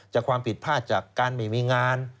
จากความผิดพลาดจากการไม่มีงาน